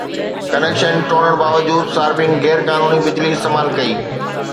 connection ٽوڙڻ باوجود صارفين غير قانوني بجلي استعمال ڪئي